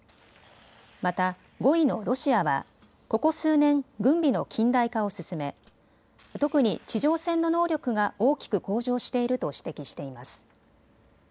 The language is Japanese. また、５位のロシアはここ数年、軍備の近代化を進め特に地上戦の能力が大きく向上していると指摘しています。